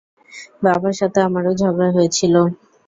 বাবার সাথে আমারও ঝগড়া হয়েছিলো।